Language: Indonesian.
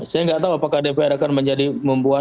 saya nggak tahu apakah dpr akan menjadi membuat